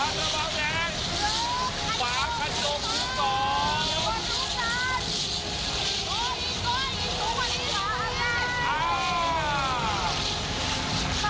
โหลล่อยอีกตัวอีกตัวอีกตัวอีกตัวอีกตัว